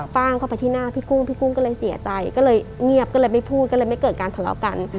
ฟ่างเข้าไปที่หน้าพี่กุ้งพี่กุ้งก็เลยเสียใจก็เลยเงียบก็เลยไม่พูดก็เลยไม่เกิดการทะเลาะกัน